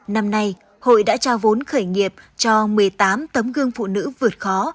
năm nay hội đã trao vốn khởi nghiệp cho một mươi tám tấm gương phụ nữ vượt khó